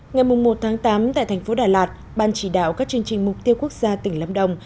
ngày một tám tại thành phố đà lạt ban chỉ đạo các chương trình mục tiêu quốc gia tỉnh lâm đồng